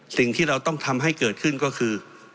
สิ่งที่เราต้องทำให้เกิดขึ้นก็คือ